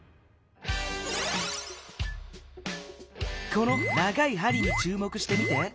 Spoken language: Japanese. この長い針にちゅうもくしてみて。